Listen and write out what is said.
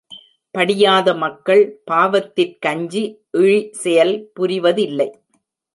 படியாத மக்கள் பாவத்திற்கஞ்சி, இழி செயல் புரிவதில்லை.